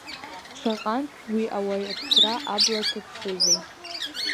Шаҟантә уи ауаҩ аԥсра абла дҭаԥшызеи…